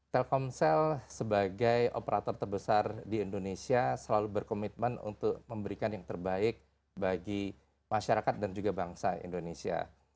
telkomsel sebagai operator terbesar di indonesia selalu berkomitmen untuk memberikan yang terbaik bagi masyarakat dan juga bangsa indonesia